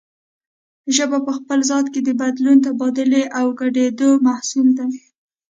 ژبه په خپل ذات کې د بدلون، تبادلې او ګډېدو محصول دی